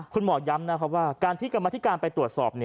คุณหมอย้ำนะครับว่าการที่กรรมธิการไปตรวจสอบ